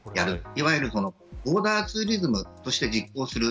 いわゆるオーダーツーリズムとして実行する。